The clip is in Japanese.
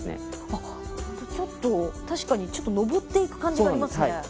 あっホントちょっと確かにちょっと上っていく感じがありますね。